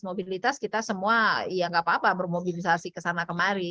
mobilitas kita semua ya nggak apa apa bermobilisasi kesana kemari